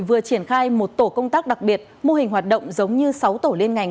vừa triển khai một tổ công tác đặc biệt mô hình hoạt động giống như sáu tổ liên ngành